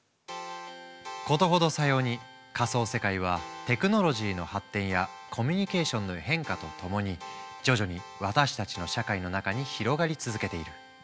事ほどさように仮想世界はテクノロジーの発展やコミュニケーションの変化とともに徐々に私たちの社会の中に広がり続けている。